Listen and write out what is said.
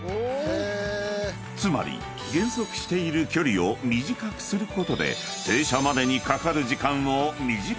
［つまり減速している距離を短くすることで］